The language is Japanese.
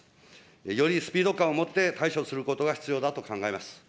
よりスピード感をもって対処することが必要だと考えます。